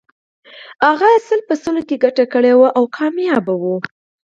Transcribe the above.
هغه سل په سلو کې ګټه کړې وه او بریالی و